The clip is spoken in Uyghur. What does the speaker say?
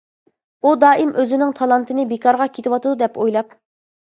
ئۇ دائىم ئۆزنىڭ تالانتىنى بىكارغا كېتىۋاتىدۇ، دەپ ئويلاپ.